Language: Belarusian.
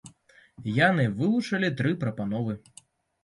Яны вылучылі тры прапановы.